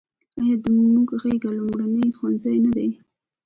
آیا د مور غیږه لومړنی ښوونځی نه دی؟